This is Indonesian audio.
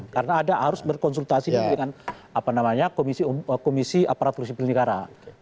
karena ada harus berkonsultasi dengan komisi aparatur sipil negara